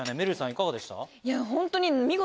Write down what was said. いかがでした？